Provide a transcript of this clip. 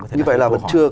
như vậy là